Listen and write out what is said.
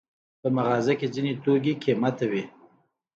په مغازه کې ځینې توکي قیمته وي.